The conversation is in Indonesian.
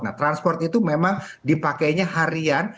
nah transport itu memang dipakainya harian